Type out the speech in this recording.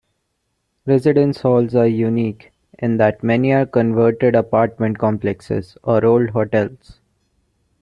Residence halls are unique in that many are converted apartment complexes or old hotels.